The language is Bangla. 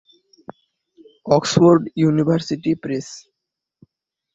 Oxford University press.